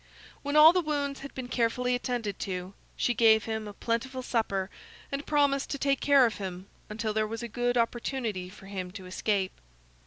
When all the wounds had been carefully attended to, she gave him a plentiful supper and promised to take care of him until there was a good opportunity for him to escape.